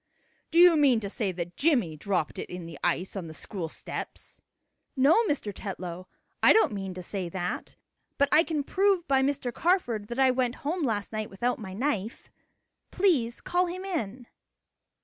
Do you mean to say that Jimmie dropped it in the ice on the school steps?" "No, Mr. Tetlow, I don't mean to say that. But I can prove by Mr. Carford that I went home last night without my knife. Please call him in."